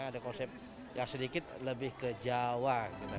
ada konsep yang sedikit lebih ke jawa